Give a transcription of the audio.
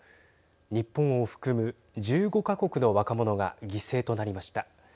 日本を含む１５か国の若者が犠牲となりました。